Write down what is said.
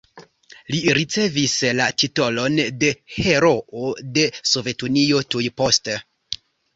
Li ricevis la titolon de Heroo de Sovetunio tuj poste.